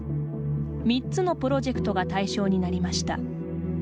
３つのプロジェクトが対象になりました。